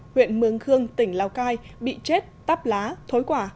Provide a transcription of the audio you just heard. huyện mường khương tỉnh lào cai bị chết tắp lá thối quả